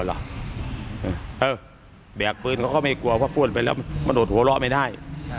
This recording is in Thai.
เออแบกพื้นก็ไม่กลัวพูดไปแล้วหนูโหลไม่ได้